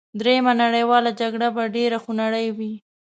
دریمه نړیواله جګړه به ډېره خونړۍ وي